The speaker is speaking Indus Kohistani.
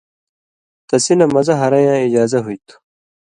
تسی نہ مزہ ہرَیں یاں اِجازہ ہُوئ تھُو